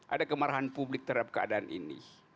ada kemarahan publik terhadap keadaan ini